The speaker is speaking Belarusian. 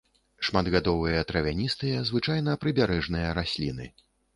Шматгадовыя травяністыя, звычайна прыбярэжныя расліны.